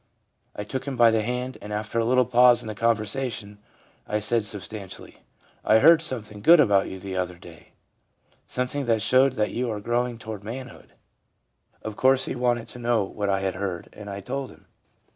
I took him by the hand, and after a little pause in the conversation, I said substan tially, " I heard something good about you the other day, something that showed that you are growing toward manhood." Of course he wanted to know what I had heard, and I told him.